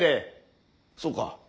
そうか。